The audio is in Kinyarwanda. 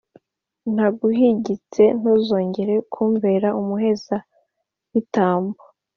ndaguhigitse ntuzongera kumbera umuherezabitambo;